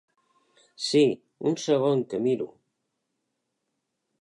Sí, un segon que miro.